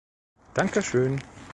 Dankeschön!